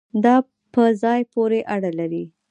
دا په ځای پورې اړه لري